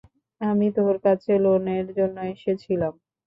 আমি তোর কাছে লোনের জন্য এসেছিলাম।